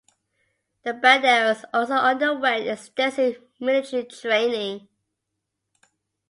The Banderas also underwent extensive military training.